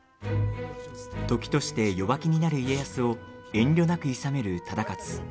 時として弱気になる家康を遠慮なく、いさめる忠勝。